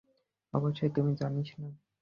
অবশ্য তুই জানিস না।